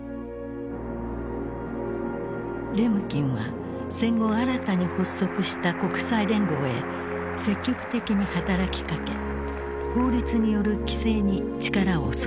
レムキンは戦後新たに発足した国際連合へ積極的に働きかけ法律による規制に力を注いだ。